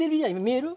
見える？